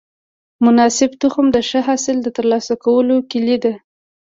مناسب تخم د ښه حاصل د ترلاسه کولو کلي ده.